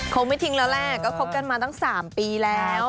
คงไม่ทิ้งแล้วแหละก็คบกันมาตั้ง๓ปีแล้ว